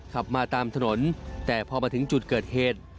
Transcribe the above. ขับมาตามถนนแต่พอมาถึงจุดเกิดเหตุ